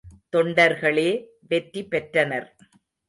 தொண்டர்களே வெற்றி பெற்றனர்.